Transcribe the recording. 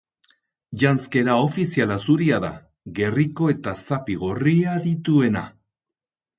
Janzkera ofiziala zuria da, gerriko eta zapi gorria dituena.